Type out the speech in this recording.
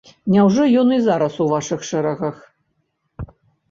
Няўжо ён і зараз у вашых шэрагах?